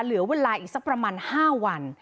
เหลือเวลาอีกสักประมาณ๕วัน